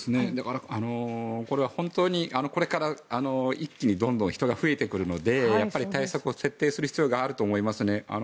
これは本当にこれから一気にどんどん人が増えてくるのでやっぱり対策を徹底する必要があると思いますね。